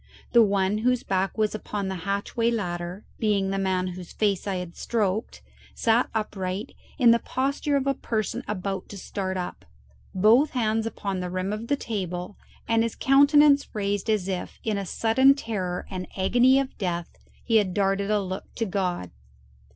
The one whose back was upon the hatchway ladder, being the man whose face I had stroked, sat upright, in the posture of a person about to start up, both hands upon the rim of the table, and his countenance raised as if, in a sudden terror and agony of death, he had darted a look to God.